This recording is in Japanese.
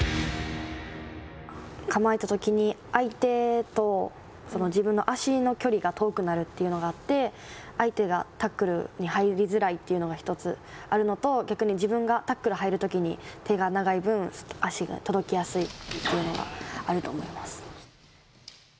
構えたときに、相手と自分の足の距離が遠くなるというのがあって、相手がタックルに入りづらいというのが一つあるのと、逆に自分がタックル入るときに、手が長い分、足も届きやすいというのがあると思います。